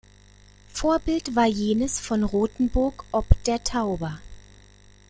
Vorbild war jenes von Rothenburg ob der Tauber.